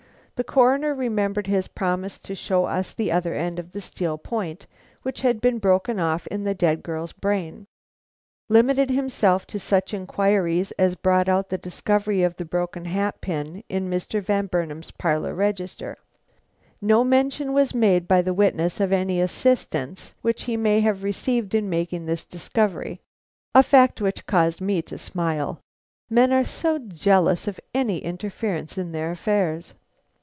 The Coroner, remembering his promise to show us the other end of the steel point which had been broken off in the dead girl's brain, limited himself to such inquiries as brought out the discovery of the broken hat pin in Mr. Van Burnam's parlor register. No mention was made by the witness of any assistance which he may have received in making this discovery; a fact which caused me to smile: men are so jealous of any interference in their affairs.